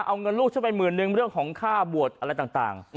เอาเงินลูกฉันไปหมื่นนึงเรื่องของค่าบวชอะไรต่าง